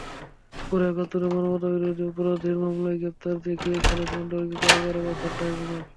পরে একাত্তরের মানবতাবিরোধী অপরাধের মামলায় গ্রেপ্তার দেখিয়ে খালেক মণ্ডলকে কারাগারে পাঠান ট্রাইব্যুনাল।